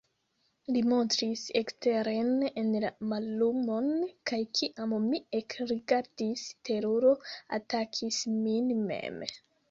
Li montris eksteren en la mallumon, kaj kiam mi ekrigardis, teruro atakis min mem.